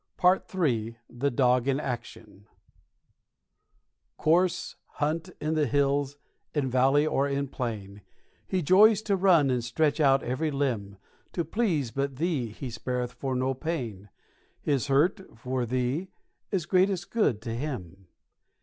PART III THE DOG IN ACTION _Course, hunt, in hills, in valley or in plain He joys to run and stretch out every limb, To please but thee he spareth for no pain, His hurt (for thee) is greatest good to him.